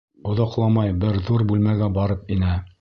Оҙаҡламай бер ҙур бүлмәгә барып инә.